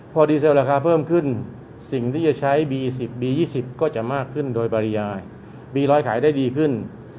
พอดีเซลราคาเพิ่มขึ้นสิ่งที่จะใช้บี๑๐บี๒๐ก็จะมากขึ้นโดยปริยายมีรอยขายได้ดีขึ้น